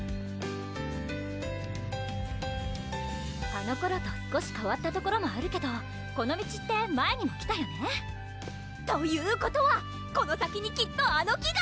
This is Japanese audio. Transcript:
あのころと少しかわったところもあるけどこの道って前にも来たよねということはこの先にきっとあの木が！